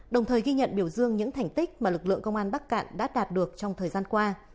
đồng thời ghi nhận biểu dương những thành tích mà lực lượng công an bắc cạn đã đạt được trong thời gian qua